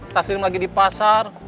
taslim lagi di pasar